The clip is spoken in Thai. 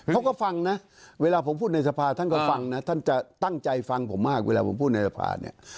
ฟังนะเวลาผมพูดในสภาท่านก็ฟังนะท่านจะตั้งใจฟังผมมากเวลาผมพูดในสภาเนี่ย